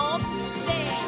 せの！